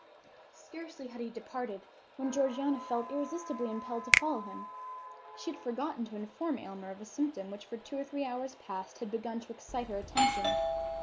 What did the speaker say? Scarcely had he departed when Georgiana felt irresistibly impelled to follow him. She had forgotten to inform Aylmer of a symptom which for two or three hours past had begun to excite her attention.